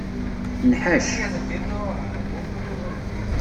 Nḥac.